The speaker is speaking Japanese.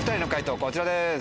こちらです。